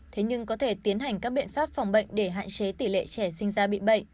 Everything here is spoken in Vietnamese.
thế nhưng có thể tiến hành các biện pháp phòng bệnh để hạn chế tỷ lệ trẻ sinh ra bị bệnh